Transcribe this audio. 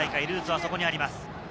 ルーツはそこにあります。